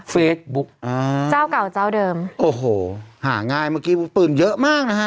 เฟซบุ๊กอ่าเจ้าเก่าเจ้าเดิมโอ้โหหาง่ายเมื่อกี้วุธปืนเยอะมากนะฮะ